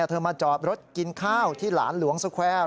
เธอมาจอดรถกินข้าวที่หลานหลวงสแควร์